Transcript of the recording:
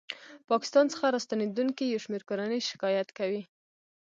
ه پاکستان څخه راستنېدونکې یو شمېر کورنۍ شکایت کوي